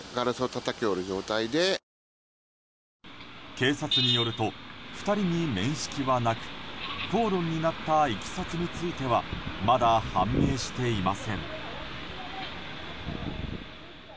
警察によると２人に面識はなく口論になったいきさつについてはまだ判明していません。